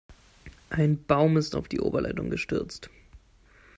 Ein Baum ist auf die Oberleitung gestürzt.